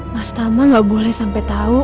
mas tama gak boleh sampe tau